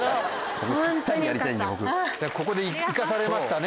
ここで生かされましたね